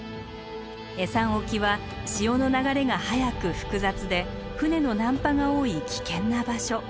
恵山沖は潮の流れが速く複雑で船の難破が多い危険な場所。